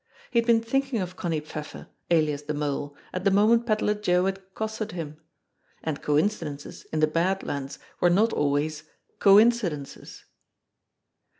He had been thinking of Connie Pfeffer, alias the Mole, at the moment Pedler Joe had accosted him. And coincidences in the Bad Lands were not always coin cidences